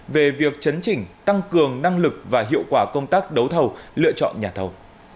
về việc chấn chỉnh tăng cường năng lực và hiệu quả công tác đấu thầu lựa chọn nhà thầu